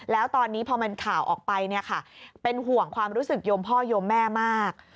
แล้วตอนนี้พอมันข่าวออกไปเนี่ยค่ะเป็นห่วงความรู้สึกโยมพ่อโยมแม่มาก